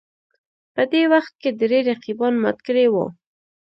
په دې وخت کې درې رقیبان مات کړي وو